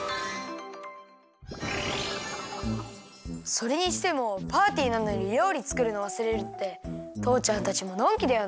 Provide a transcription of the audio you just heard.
それにしてもパーティーなのにりょうりつくるのわすれるってとうちゃんたちものんきだよな。